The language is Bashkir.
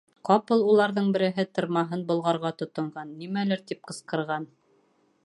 Ҡапыл уларҙың береһе тырмаһын болғарға тотонған, нимәлер тип ҡысҡырған.